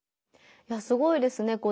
いやすごいですね。